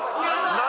何？